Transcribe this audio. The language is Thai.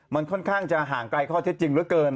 มันค่อนข้างจะห่างไกลข้อเท็จจริงเหลือเกิน